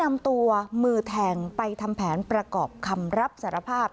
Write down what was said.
นำตัวมือแทงไปทำแผนประกอบคำรับสารภาพ